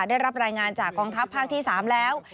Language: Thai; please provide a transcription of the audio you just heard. ได้รับรายงานจากกองทัพภาคที่๓แล้ว